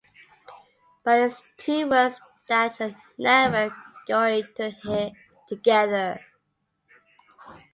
But it's two words that you're never going to hear together.